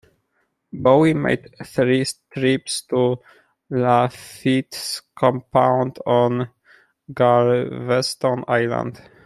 Bowie made three trips to Lafitte's compound on Galveston Island.